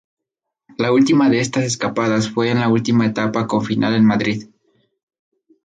La última de estas escapadas fue en la última etapa con final en Madrid.